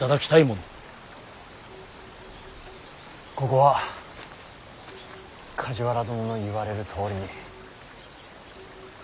ここは梶原殿の言われるとおりに。